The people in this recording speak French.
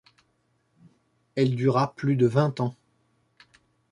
Elle dura plus de vingt ans.